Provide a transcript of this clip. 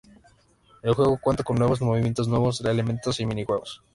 El juego cuenta con nuevos movimientos, nuevos elementos, y minijuegos.